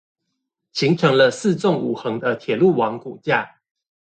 形成了四縱五橫的鐵路網骨架